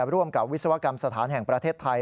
ร่วมกับวิศวกรรมสถานแห่งประเทศไทย